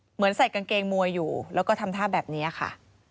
เหมือนใส่กางเกงมวยอยู่แล้วก็ทำท่าแบบนี้ค่ะ